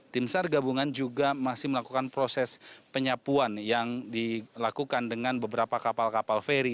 tim sar gabungan juga masih melakukan proses penyapuan yang dilakukan dengan beberapa kapal kapal feri